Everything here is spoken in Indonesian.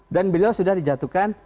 dan beliau sudah dijatuhkan